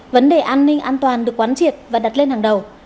vấn đề an ninh an toàn được quán triệt và đặt lên hàng đầu